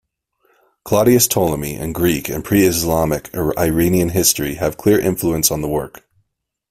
Claudius Ptolemy, and Greek and pre-Islamic Iranian history, have clear influence on the work.